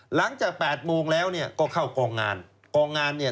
หลังจากแปดโมงแล้วเนี่ยก็เข้ากองงานกองงานเนี่ย